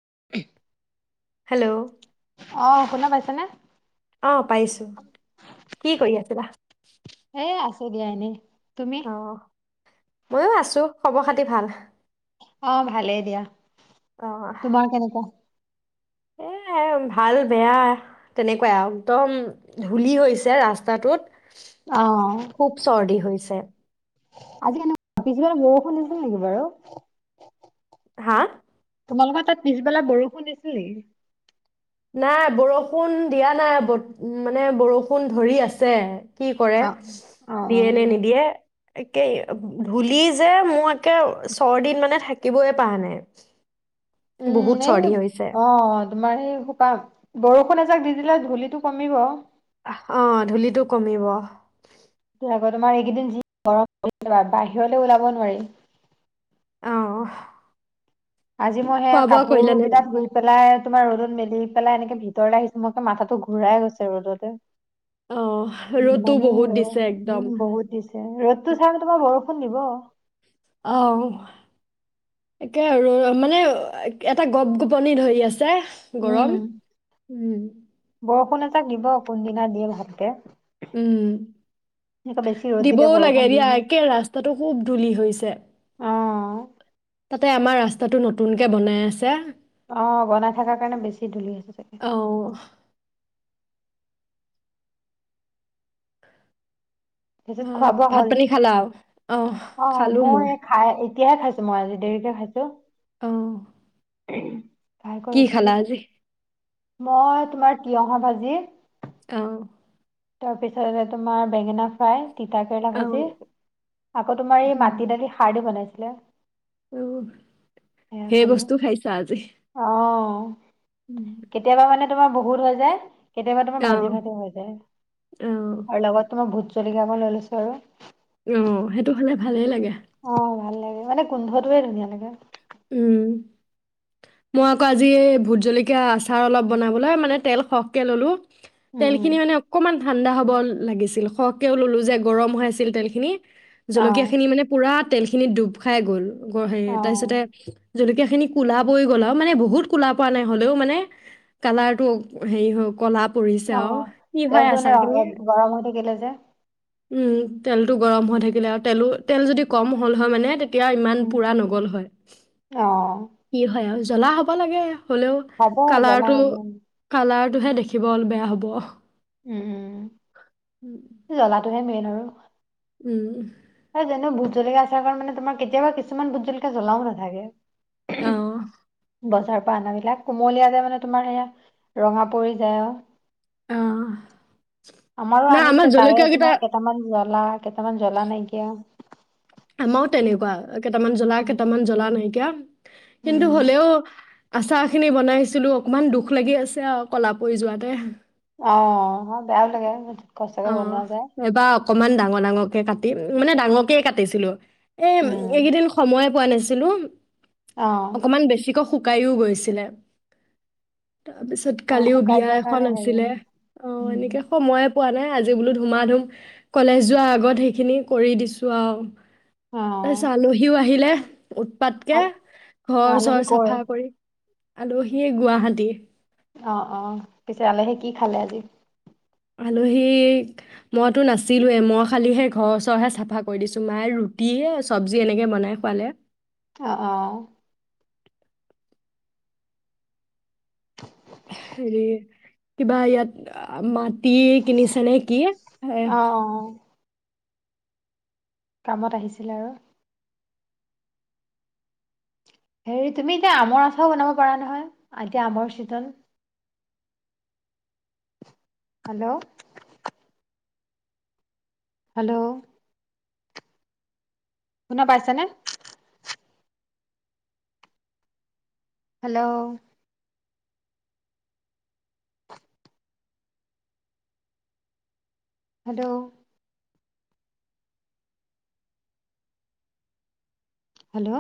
[inaudible] Hello. অ শুনা পাইছেনে? অ পাইছোঁ কি কৰী আছিলা? ই দিয়া এনেই। তুমি অঅহ মইয়ো আছোঁ। খবৰ খাতি ভাল? অ ভালেই দিয়া। তোমা কেনেকুৱা? এ এ ভাল বেয়াহ তেনেকুৱাই আও একদম ধূলি হৈছে ৰাস্তাটোত অ খুব চৰ্দি হৈছে। আজি কেনে-ৱা? পিছবেলা বৰষুণ দিছিল নিকি বাৰু? হা? তোমালোকৰ তাত পিছবেলা বৰষুণ দিছিল নেকি? নাই বৰষুণ দিয়া নাই। বত মানে বৰষুণ ধৰি আছে কি কৰে! অ অ অ দিয়ে নে নিদিয়ে। একেই। ধূলি যে মো একে চৰ দিন মানে থাকিবয়ই পৰা নাই। উম। বহুত এই ব। চৰ্দি হৈছে অ অ তোমাৰ হেই সোপা বৰষুণ এজাক দি দিলে ধূলিটো কমিব। অ অ ধূলিটো কমিব। ইয়া আগ তোমাৰ এইকেইদিন যিহে গৰম পৰিছে তোমাৰ বাহিৰলে ওলাব নোৱাৰি। আও অ অ হ। আজি মই হেই কাপোৰ নাই কেইটা ধুই পেলাই তোমাৰ ৰ'দত মেলি পেলাই এনেকে ভিতৰলে আহিছো মই মাথাটো ঘূৰাই গৈছে ৰ'দতে। অ ৰ'দো বহুত ইমানেই ৰ'দ। দিছে একদম উম, বহুত দিছে। ৰ'দটো চাই পেল তোমাৰ বৰষ শুন নিব অ অ অও। একে আৰু মানে অ এটা গপ গপনি ধই আছে। উ উ গৰম ম। উম বৰষুণ এ তাক দিব, কোনদিনা দিয়ে ভাতকে। উম, ৰ'দ দিলে দিবও বৰষুণ লাগে দিয়ে দিয়া ন। একে ৰাস্তাটো সুব ধূলি হৈইছে। অ', তাতে আমা ৰাস্তাটো নতুনকে বনাই আছে অ' বনাই থাকা কাৰণে বেছি ধূলি হৈছে চাগে। অ তাৰপিছত খোৱা অ' বোৱা ভাত হ'ল? পানী খালা আও! অহ অ', খালো মই। খাই এতিয়াহে খাইছো মই আজি। দেৰিকে খাইছো। অ ইনঅডিবল [unintelligible] খায় কি কৰি খালা উঠিছোঁহে। আজি মই! তোমাৰ তিয়ঁহৰ ভাজি অ' তাৰপিছতে তোমাৰ বেঙেনা ফ্ৰাই তিতা কেৰেলা অ ভাজি, তাতে আকৌ তোমাৰ এই উম, মাটি দালি সাৰ দি বনাই [unintelligible] অ, ধেই বস্তু খাইছা আজি। উ। উম, কেতিয়াবা মানে তোমাৰ বহুত হৈ যায়। কেতিয়াবা তোমাৰ অ ভাজি ভাতো হৈ যায়। অ। আৰু লগত ভোট জলকীয়া অকন লৈ লৈছো আৰু। অ, সেইটো হলে ভালেই লাগে। অ, ভাল লাগে মানে গোন্ধটোয়ে ধুনীয়া লাগে। উম, মই আকৌ আজি এই ভোট জলকীয়া আচাৰ অলপ বনাবলে মানে তেল সহকে ললো উম তেল উম খিনি মানে অকমান ঠাণ্ডা হ'ব ল-লাগিছিল সহকেও ললো যে গৰম হৈ আছিল তেল খিনি। অ জলকীয়া খিনি মানে পুৰা তেল খিনিত ডুব খাই গ'ল। গ, হে, অ তাৰপিছতে। জলকীয়া খিনি কোলা পৰি গ'ল আৰু মানে বহুত কোলা পোৱা নাই হ'লেও মানে কালাৰটো হেৰি হৈ কলাপ অ, তেল তো এনে অলপ গৰম হৈ থাকিলে যে। উম, তেলটো গৰম হৈ থাকিলে আৰু তেলো, তেল যদি কম হ'ল হয় মানে তে এতিয়া ইমান উম পুৰা নগল হয়। অ। কি আৰু জ্বলা হ'ব লাগে। হ'লেও হ'ব জ্বলা কালাৰটো, হ'ব উম কালাৰ টোহে দেখিব অল বেয়া হ'ব অ। উম, উম। জ্বলাটোহে মে আৰু। উম। হয় জানো ভোট জলকাীয়া আচাৰ কাৰণ মানে তোমাৰ কেতিয়াবা কিছুমান ভোট জলকীয়া জ্বলাও নাথাকে। অঁ বজাৰ [unintelligible] বিলাক কুমলিয়া যে মানে তোমাৰ সেয়া ৰঙা পৰি যায় অ। অ। আমাৰো আনিছে তাৰে তোমাৰ কেইটামান জ লা। কেইটামান জ্বলা নাইকিয়া। আমাৰও তেনেকুৱা কেইটামান জ্বলা উম, কেইটামান জ্বলা নাইকিয়া কিন্তু উম, হলেও আচাৰ খিনি বনাইছিলো অকনমান দুখ লাগি আছে আৰু কলা পৰি যোৱাতে। অ' বেয়াও লাগে কষ্টকে বনোৱা যায়। অকনমান ডাঙৰ, ডাঙৰ কে কাটিম। মানে ডাঙৰকে কাটি ছিলো। এ উম। এইকেইদিন সময়ে পোৱা নাছিলো। অ' অকমান বেছি শুকাইও গৈছিলে। তাৰপিছত অ' কালিও শুকাই বিয়া যোৱাৰ এখন কাৰণে হেৰি আছিলে, অ', উম এনেকে সময়ে পোৱা নাই আজি বোলো ধুমা ধুম কলেজ যোৱাৰ আগত সেইখিনি কৰি দিছোঁ আউ। অ' আলহীও আহিলে উৎপাতকে আল ঘৰ আলহী চৰ কৰ চাফা কৰি আলহীয়ে গুৱাহাটীৰ। অ' অ' পিছে আলহী কি খালে আজি? আলহীক, মইতো নাছিলোৱেই, মই খালি সেই ঘৰৰ ওচৰহে চাফা কৰি দিছোঁ, মায়ে ৰুটিয়ে, চব্জি এনেকে বনাই খুৱালে। অ', অ'। হেৰি কিবা ইয়াত মাত তি কিনিছ নে কি এ অ' অ' কামত আহিছিল আৰু হেৰি, তুমি এতিয়া আমৰ আচাৰ বনাব পাৰা নহয়, এতিয়া আমৰ চিজন। হেল্ল' হেল্ল' শুনা পাইছা নে? Hello hello hello